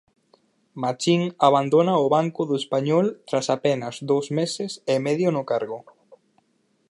Machín abandona o banco do Español tras apenas dos meses e medio no cargo.